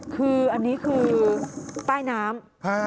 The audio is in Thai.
คืออันนี้คือใต้น้ำ